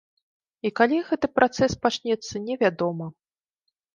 І калі гэты працэс пачнецца, невядома.